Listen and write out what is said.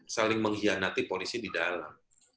saling mengkhianati polisi di dalam